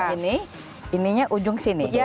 ini ininya ujung sini